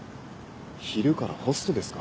昼からホストですか？